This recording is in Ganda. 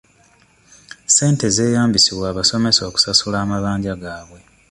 Ssente zeeyambisibwa abasomesa okusasula amabanja gaabwe.